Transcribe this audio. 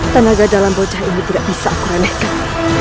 tenaga dalam bocah ini tidak bisa aku ramekan